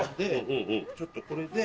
ちょっとこれで。